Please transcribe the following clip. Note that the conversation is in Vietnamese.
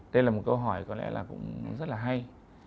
đây là một câu hỏi có lẽ là cũng rất là hay